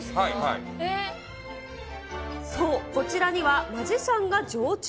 そう、こちらにはマジシャンが常駐。